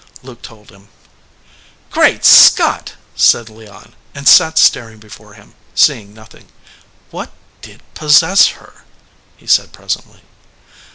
Luke told him. "Great Scott !" said Leon, and sat staring before him, seeing nothing. "What did possess her?" he said, presently.